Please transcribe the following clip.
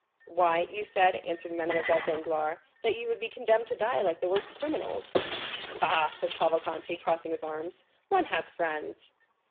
"Why, you said," answered Mademoiselle Danglars, "that you would be condemned to die like the worst criminals." 50055m "Bah," said Cavalcanti, crossing his arms, "one has friends."